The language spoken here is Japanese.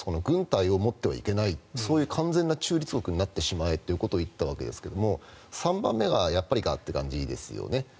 軍隊を持ってはいけないそういう完全な中立国になってしまえということを言ったわけですが３番目がやっぱりかという感じですよね。